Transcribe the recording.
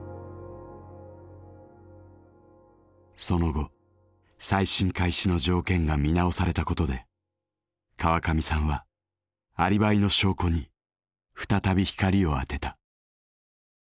その後再審開始の条件が見直されたことで河上さんはアリバイの証拠に再び光を当てた。